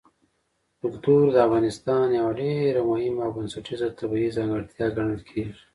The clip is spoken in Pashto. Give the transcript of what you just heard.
کلتور د افغانستان یوه ډېره مهمه او بنسټیزه طبیعي ځانګړتیا ګڼل کېږي.